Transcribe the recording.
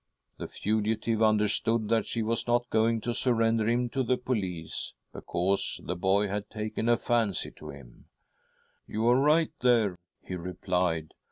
The fugitive' understood that she was not going to surrender him to the police, because the boy had taken a fancy to him. ' You are right there,' he replied.